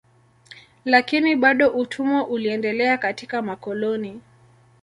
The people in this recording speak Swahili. Lakini bado utumwa uliendelea katika makoloni.